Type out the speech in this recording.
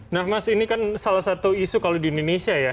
nah mas ini kan salah satu isu kalau di indonesia ya